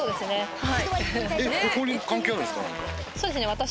はい。